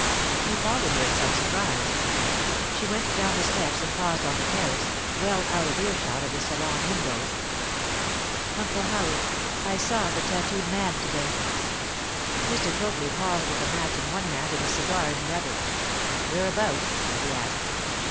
He followed her in some surprise. She went down the steps and paused on the terrace, well out of ear shot of the salon windows. 'Uncle Howard, I saw the tattooed man to day.' Mr. Copley paused with a match in one hand and a cigar in the other. 'Whereabouts?' he asked.